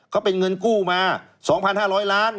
ก็เป็นเงินกู้มา๒๕๐๐ล้านบาท